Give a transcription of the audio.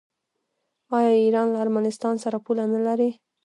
آیا ایران له ارمنستان سره پوله نلري؟